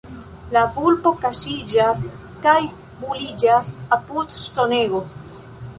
La vulpo kaŝiĝas kaj buliĝas apud ŝtonego.